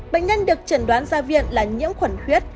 bệnh nhân được chẩn đoán ra viện là nhiễm khuẩn huyết